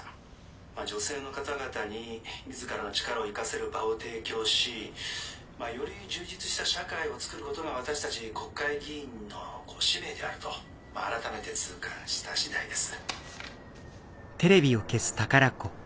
女性の方々に自らの力を生かせる場を提供しより充実した社会をつくることが私たち国会議員の使命であると改めて痛感した次第です」。